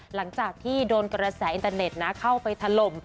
หลังจากที่โดนกระแสอินเตอร์เน็ตนะเข้าไปถล่ม